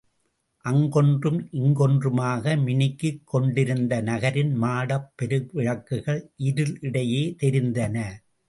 அங்கொன்றும் இங்கொன்றுமாக மினுக்கிக் கொண்டிருந்த நகரின் மாடப் பெருவிளக்குகள் இருளிடையே தெரிந்தன.